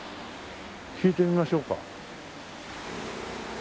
聞いてみましょうか。